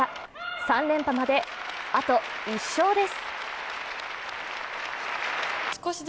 ３連覇まであと１勝です。